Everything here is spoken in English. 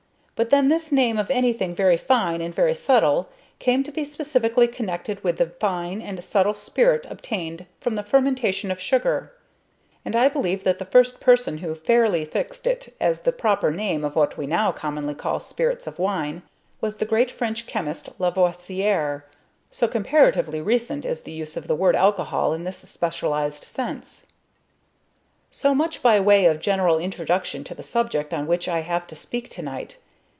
But then this name of anything very fine and very subtle came to be specially connected with the fine and subtle spirit obtained from the fermentation of sugar; and I believe that the first person who fairly fixed it as the proper name of what we now commonly call spirits of wine, was the great French chemist Lavoisier, so comparatively recent is the use of the word alcohol in this specialised sense. So much by way of general introduction to the subject on which I have to speak to night.